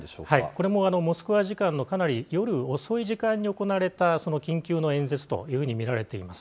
これもモスクワ時間のかなり夜遅い時間に行われた緊急の演説というふうに見られています。